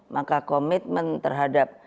maka komitmen terhadap